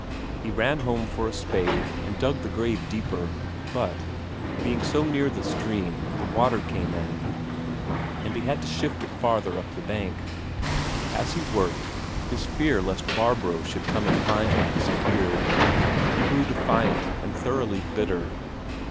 He ran home for a spade and dug the grave deeper; but, being so near the stream, the water came in, and he had to shift it farther up the bank. As he worked, his fear lest Barbro should come and find him disappeared; he grew defiant and thoroughly bitter.